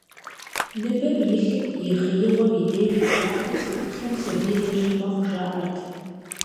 Ныбэм илъым и хъеигъуэм и деж, и анэр зыӀуплъэм сабийр ещхь мэхъу, жаӀэрт.